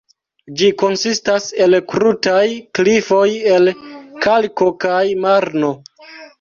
Ĝi konsistas el krutaj klifoj el kalko kaj marno.